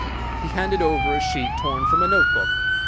He handed over a sheet torn from a note book.